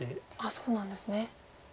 そうなんですね。